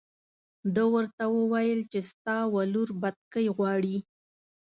ده ورته وویل چې ستا ولور بتکۍ غواړي.